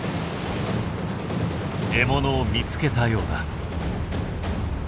獲物を見つけたようだ。